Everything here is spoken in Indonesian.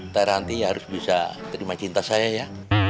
teh ranti ya harus bisa terima cinta saya ya